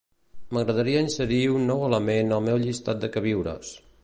M'agradaria inserir un nou element al meu llistat de queviures.